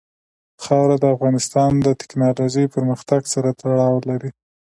خاوره د افغانستان د تکنالوژۍ پرمختګ سره تړاو لري.